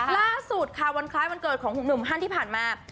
ล่าสุดค่ะวันคล้ายวันเกิดของหนุ่มฮันที่ผ่านมา